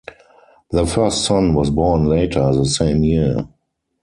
Their first son was born later the same year.